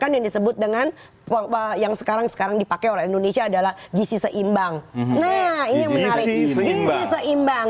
yang sekarang sekarang dipakai oleh indonesia adalah gizi seimbang nah ini menarik gizi seimbang